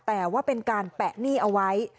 แต่ว่าเป็นการแปะหนี้เอาไว้